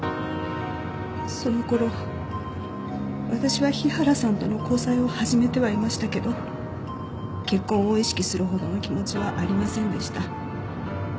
その頃私は日原さんとの交際を始めてはいましたけど結婚を意識するほどの気持ちはありませんでした。